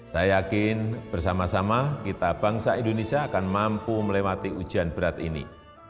saya yakin bersama sama kita bangsa indonesia akan mampu melewati ujian berat ini